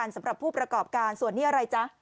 สำหรับผู้ประกอบการส่วนนี้อะไรจ๊ะ